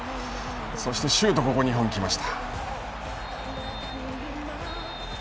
そしてシュート、２本きました。